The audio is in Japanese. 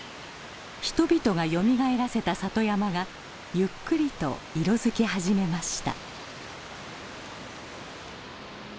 人々がよみがえらせた里山がゆっくりと色づき始めました。